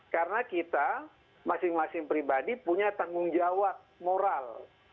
karena kita masing masing pribadi punya tanggung jawab moral